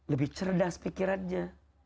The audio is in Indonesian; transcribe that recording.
lebih cerdas pikirannya